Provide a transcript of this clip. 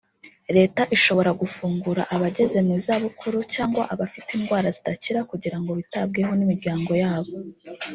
Leta ishobora gufungura abageze mu zabukuru cyangwa abafite indwara zidakira kugira ngo bitabweho n’imiryango yabo